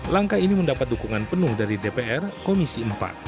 langkah ini mendapat dukungan penuh dari dpr komisi empat